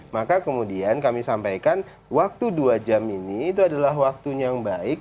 maka kemudian kami sampaikan waktu dua jam ini itu adalah waktunya yang baik